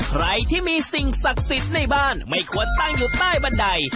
ใครที่มีสิ่งศักดิ์สิทธิ์ในบ้านไม่ควรตั้งอยู่ใต้บันได